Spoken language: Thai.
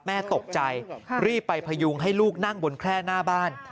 แม่ตกใจรีบไปพยุงให้ลูกนั่งบนแคร่หน้าบ้าน